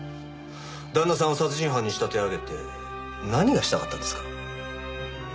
旦那さんを殺人犯に仕立て上げて何がしたかったんですか？